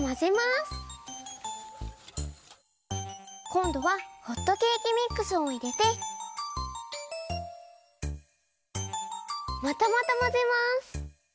こんどはホットケーキミックスをいれてまたまたまぜます！